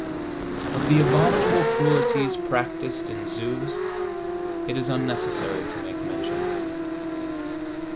Of the abominable cruelties practised in zoos it is unnecessary to make mention.